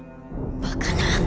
バカな！